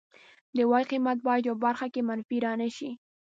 د وای قیمت باید په یوه برخه کې منفي را نشي